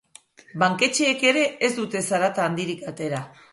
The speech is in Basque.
Banketxeek ere ez dute zarata handirik atera.